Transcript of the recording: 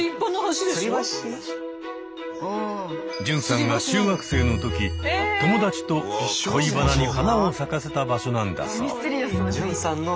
純さんが中学生の時友達と恋バナに花を咲かせた場所なんだそう。